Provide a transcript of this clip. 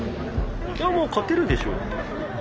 いやまあ勝てるでしょう。